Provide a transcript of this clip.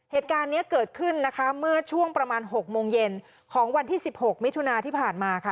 เหตุการณ์นี้เกิดขึ้นนะคะเมื่อช่วงประมาณ๖โมงเย็นของวันที่๑๖มิถุนาที่ผ่านมาค่ะ